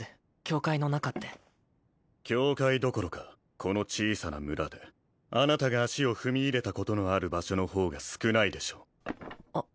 教会の中って教会どころかこの小さな村であなたが足を踏み入れたことのある場所の方が少ないでしょう